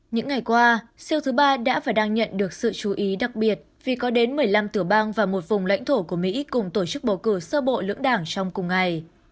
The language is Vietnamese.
những ngày qua siêu thứ ba đã và đang nhận được sự chú ý đặc biệt vì có đến một mươi năm tiểu bang và một vùng lãnh thổ của mỹ cùng tổ chức bầu cử sơ bộ lưỡng đảng trong cùng ngày